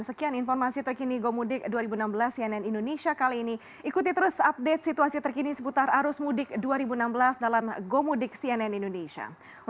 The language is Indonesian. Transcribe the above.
sekian informasi terkini gomudik dua ribu enam belas cnn indonesia kali ini ikuti terus update situasi terkini seputar arus mudik dua ribu enam belas dalam gomudik cnn indonesia